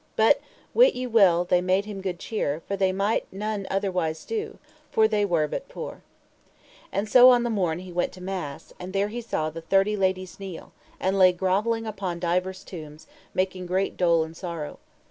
But wit ye well they made him good cheer, for they might none otherwise do, for they were but poor. And so on the morn he went to mass, and there he saw the thirty ladies kneel, and lay grovelling upon divers tombs, making great dole and sorrow.